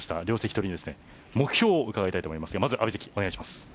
両関取に目標を伺いたいと思います。